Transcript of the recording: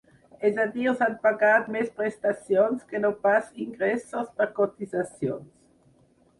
És a dir s’han pagat més prestacions que no pas ingressos per cotitzacions.